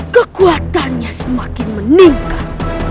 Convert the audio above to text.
kekuatannya semakin meningkat